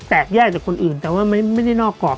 แตกแยกจากคนอื่นแต่ว่าไม่ได้นอกกรอบ